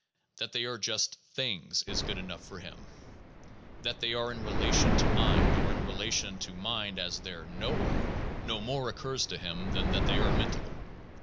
That they are just things is good enough for him. That they are in relation to mind, or in relation to mind as their "knower, " no more occurs to him than that they are mental.